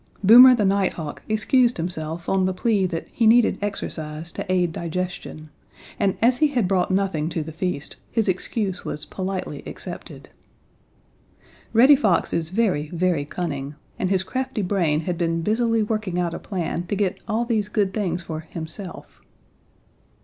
Boomer the Nighthawk excused himself on the plea that he needed exercise to aid digestion, and as he had brought nothing to the feast, his excuse was politely accepted. Reddy Fox is very, very cunning, and his crafty brain had been busily working out a plan to get all these good things for himself.